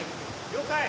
了解！